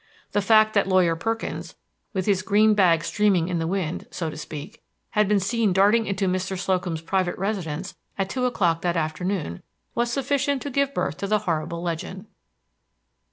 The fact that Lawyer Perkins, with his green bag streaming in the wind, so to speak, had been seen darting into Mr. Slocum's private residence at two o'clock that afternoon was sufficient to give birth to the horrible legend.